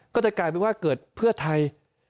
กลายเป็นว่าเกิดเพื่อไทย